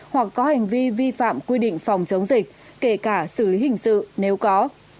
hoặc có hành vi vi phạm quy định phòng chống dịch kể cả xử lý hình sự nếu có